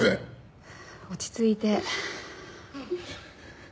落ち着いて。